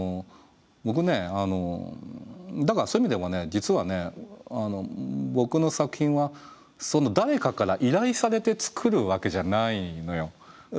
僕ねだからそういう意味ではね実はね僕の作品はそんな誰かから依頼されて作るわけじゃないのよ。